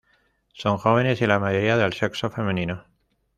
Son jóvenes, y la mayoría del sexo femenino.